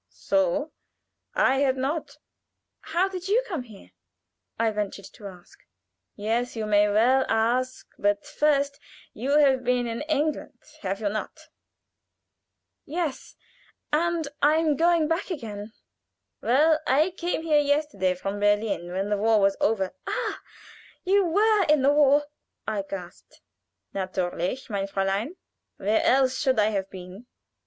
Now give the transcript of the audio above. "So! I had not." "How did you come here?" I ventured to ask. "Yes you may well ask; but first you have been in England, have you not?" "Yes, and am going back again." "Well I came here yesterday from Berlin. When the war was over " "Ah, you were in the war?" I gasped. "Natürlich, mein Fräulein. Where else should I have been?"